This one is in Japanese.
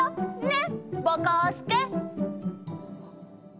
ねっぼこすけ！